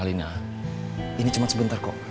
ini cuma sebentar kok